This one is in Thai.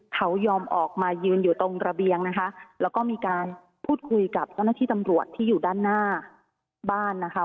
เขายอมออกมายืนอยู่ตรงระเบียงนะคะแล้วก็มีการพูดคุยกับเจ้าหน้าที่ตำรวจที่อยู่ด้านหน้าบ้านนะคะ